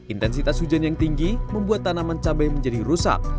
intensitas hujan yang tinggi membuat tanaman cabai menjadi rusak